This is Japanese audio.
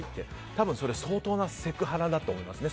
多分、それ相当なセクハラだと思いますね。